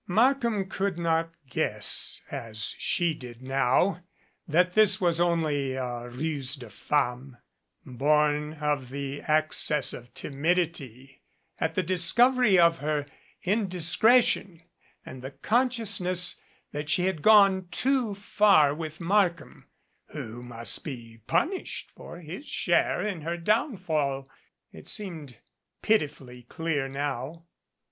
Mark ham could not guess, as she did now, that this was only a ruse de femme, born of the access of timidity at the dis 'covery of her indiscretion and the consciousness that she had gone too far with Markham, who must be punished for his share in her downfall. It seemed pitifully clear now.